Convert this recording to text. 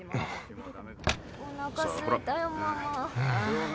・おなかすいたよママ。